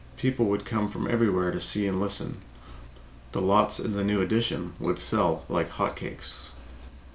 People would come from everywhere to see and listen. The lots in the new addition would sell like hot cakes.